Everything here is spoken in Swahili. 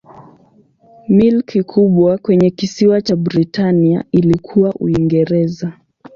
Milki kubwa kwenye kisiwa cha Britania ilikuwa Uingereza.